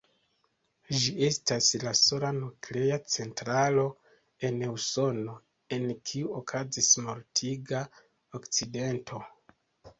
Ĝi estas la sola nuklea centralo en Usono, en kiu okazis mortiga akcidento.